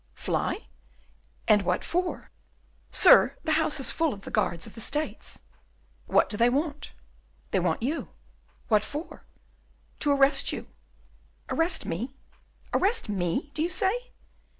"Fly! and what for?" "Sir, the house is full of the guards of the States." "What do they want?" "They want you." "What for?" "To arrest you." "Arrest me? arrest me, do you say?"